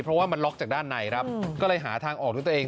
เพราะว่ามันล็อกจากด้านในครับก็เลยหาทางออกด้วยตัวเอง